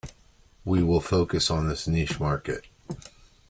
We will focus on this niche market.